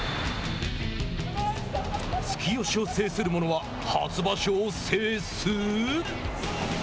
突き押しを制するものは初場所を制す！？